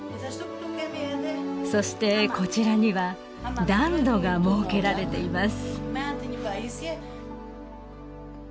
そしてこちらには暖炉が設けられています